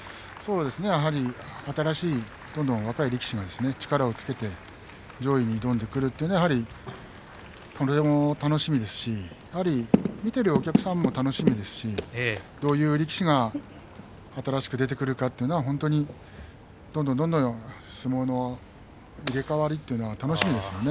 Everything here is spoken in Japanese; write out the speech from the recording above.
やはり新しいどんどん若い力士が力をつけて上位に挑んでくるというのはとても楽しみですしやはり見ているお客さんも楽しみですしどういう力士が新しく出てくるかというのは本当にどんどんどんどん相撲の入れ代わりというのが楽しみですよね。